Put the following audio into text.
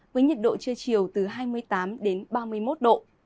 với nhiệt độ trưa chiều từ hai mươi tám đến ba mươi một độ